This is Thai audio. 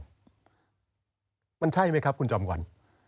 ไอภาพแบบนี้มันใช่ไหมครับคุณจำกวัน